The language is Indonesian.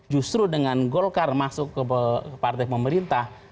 justru dengan golkar masuk ke partai pemerintah